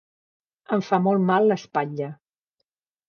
Em fa molt mal l'espatlla.